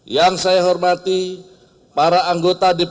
yang saya hormati para anggota dpr dan dpr